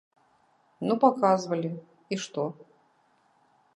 Ну паказвалі, і што?